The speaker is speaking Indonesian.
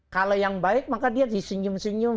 kalau yang baik maka dia disenyum senyum